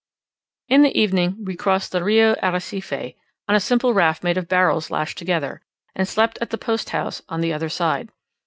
In the evening we crossed the Rio Arrecife on a simple raft made of barrels lashed together, and slept at the post house on the other side.